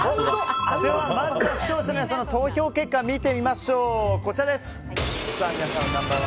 まずは視聴者の皆さんの投票結果を見ていきましょう。